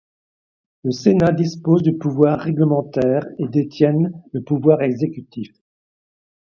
Le Sénat dispose du pouvoir réglementaire et détienne le pouvoir exécutif.